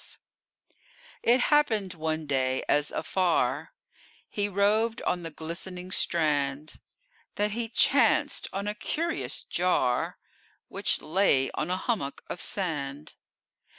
It happened one day, as afar He roved on the glistening strand, That he chanced on a curious jar, Which lay on a hummock of sand.